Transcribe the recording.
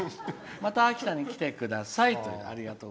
また秋田に来てください」。